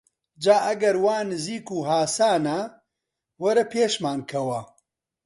جا ئەگەر وا نزیک و هاسانە وەرە پێشمان کەوە!